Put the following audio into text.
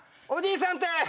おじいさんって。